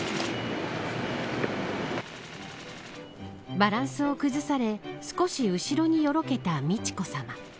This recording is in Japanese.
バランスを崩され少し後ろによろけた美智子さま。